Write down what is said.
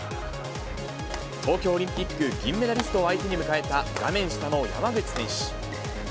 東京オリンピック銀メダリストを相手に迎えた、画面下の山口選手。